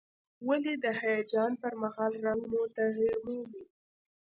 ولې د هیجان پر مهال رنګ مو تغییر مومي؟